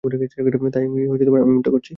তাই আমি এমনটা করেছি।